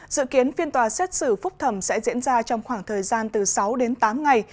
dự kiến phiên tòa xét xử phúc thẩm sẽ diễn ra trong khoảng thời gian từ sáu đến tám ngày